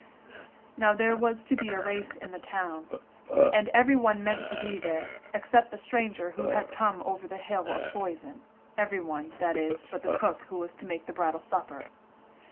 Now there was to be a race in the town, and everyone meant to be there, except the stranger who had come over the hill of poison everyone, that is, but the cook, who was to make the bridal supper.